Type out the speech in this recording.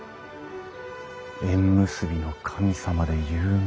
縁結びの神様で有名な神社。